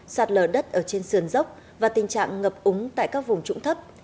sạt lở đất ở trên sườn dốc và tình trạng ngập úng tại các vùng trũng thấp